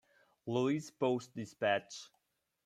Louis Post Dispatch.